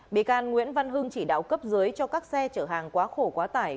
bị can nguyễn văn hưng chỉ đạo cấp dưới cho các xe chở hàng quá khổ quá tải